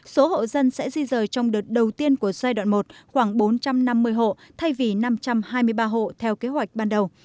số hộ dân sẽ di rời trong đợt đầu tiên của giai đoạn một khoảng bốn trăm năm mươi hộ thay vì năm trăm hai mươi ba hộ theo kế hoạch ban đầu